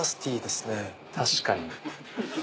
確かに。